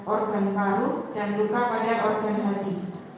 organ karu dan luka pada organ hati